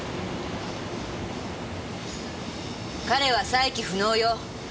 彼は再起不能よ！